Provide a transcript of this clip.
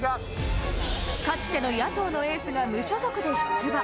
かつての野党のエースが無所属で出馬。